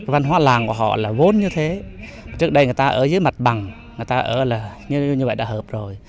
văn hóa làng của họ là vốn như thế trước đây người ta ở dưới mặt bằng người ta ở là như vậy đã hợp rồi